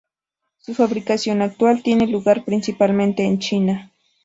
Su fabricación actual tiene lugar principalmente en China.